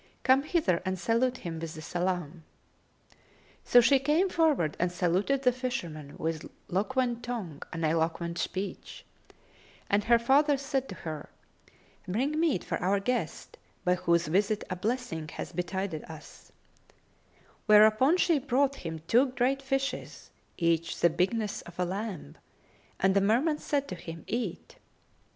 Come hither and salute him with the salam." So she came forward and saluted the fisherman with loquent tongue and eloquent speech; and her father said to her, "Bring meat for our guest, by whose visit a blessing hath betided us:[FN#273]" whereupon she brought him two great fishes, each the bigness of a lamb, and the Merman said to him, "Eat."